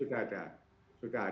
sudah sudah ada